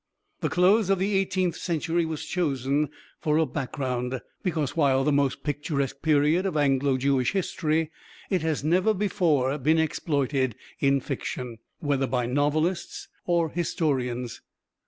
The close of the eighteenth century was chosen for a background, because, while the most picturesque period of Anglo Jewish history, it has never before been exploited in fiction, whether by novelists or historians.